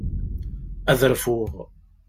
Ad rfuɣ.